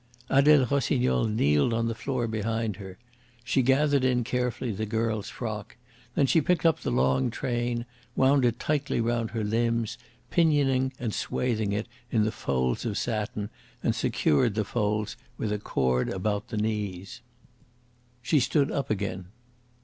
Adele Rossignol kneeled on the floor behind her. She gathered in carefully the girl's frock. Then she picked up the long train, wound it tightly round her limbs, pinioning and swathing them in the folds of satin, and secured the folds with a cord about the knees. She stood up again.